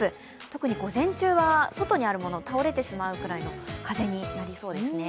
特に午前中は外にあるものが倒れてしまうくらいの風になりそうですね。